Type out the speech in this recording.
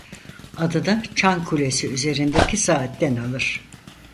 Adını çan kulesi üzerindeki saatten alır.